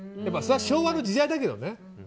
それは昭和の時代だけどね。